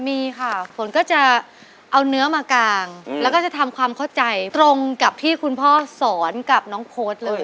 มีค่ะฝนก็จะเอาเนื้อมากางแล้วก็จะทำความเข้าใจตรงกับที่คุณพ่อสอนกับน้องโพสต์เลย